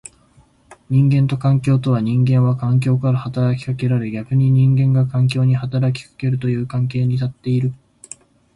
人間と環境とは、人間は環境から働きかけられ逆に人間が環境に働きかけるという関係に立っている。